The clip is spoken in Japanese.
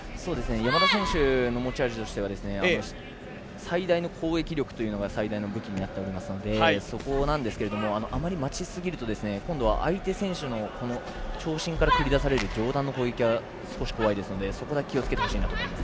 山田選手の持ち味としては最大の攻撃力というのが最大の武器になっていますのであまり待ちすぎると今度は相手選手の長身から繰り出される上段の攻撃が少し怖いですのでそこだけ気を付けてほしいと思います。